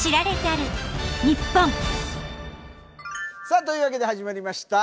さあというわけで始まりました。